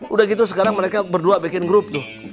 udah gitu sekarang mereka berdua bikin grup tuh